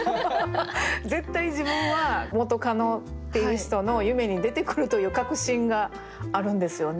絶対自分は元カノっていう人の夢に出てくるという確信があるんですよね